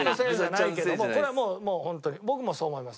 これはもうホントに僕もそう思います。